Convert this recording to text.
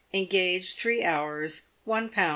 Engaged three hours, 1Z. Is."